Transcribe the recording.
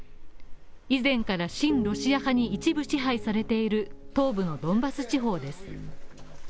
以前から親ロシア派に一部支配されている東部のドンバス地方です。